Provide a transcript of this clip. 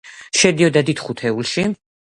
შედიოდა დიდ ხუთეულში.